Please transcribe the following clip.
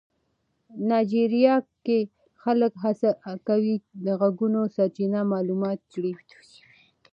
نایجیریا کې خلک هڅه کوي د غږونو سرچینه معلومه کړي.